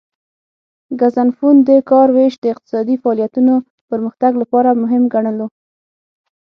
ګزنفون د کار ویش د اقتصادي فعالیتونو پرمختګ لپاره مهم ګڼلو